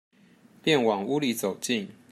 便往屋裡走進